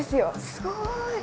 すごい！